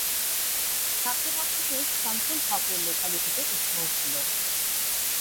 ছাত্রাবস্থাতেই সামসুল হকের লেখালেখিতে উৎসাহ ছিল।